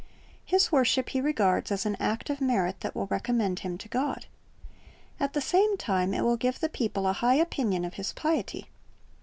His worship he regards as an act of merit that will recommend him to God. At the same time it will give the people a high opinion of his piety.